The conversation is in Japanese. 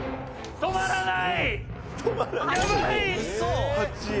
止まらない！」